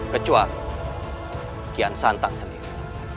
kecuali kian santang sendiri